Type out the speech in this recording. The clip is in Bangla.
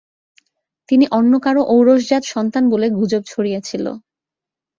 তিনি অন্য কারো ঔরসজাত সন্তান বলে গুজব ছড়িয়েছিল।